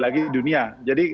lagi di dunia jadi